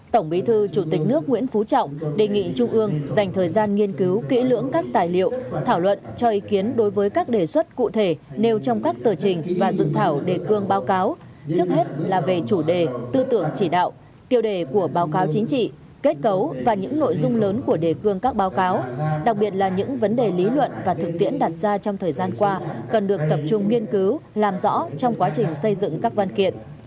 tổng bí thư chủ tịch nước nguyễn phú trọng đề nghị trung ương dành thời gian nghiên cứu kỹ lưỡng các tài liệu thảo luận cho ý kiến đối với các đề xuất cụ thể nêu trong các tờ trình và dự thảo đề cương báo cáo trước hết là về chủ đề tư tưởng chỉ đạo tiêu đề của báo cáo chính trị kết cấu và những nội dung lớn của đề cương các báo cáo đặc biệt là những vấn đề lý luận và thực tiễn đặt ra trong thời gian qua cần được tập trung nghiên cứu làm rõ trong quá trình xây dựng các văn kiện